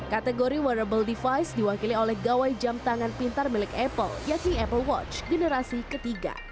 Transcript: kategori wearable device diwakili oleh gawai jam tangan pintar milik apple yakni apple watch generasi ketiga